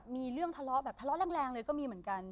มีเรื่องทะเลาะแรงก็มีเหมือนกัน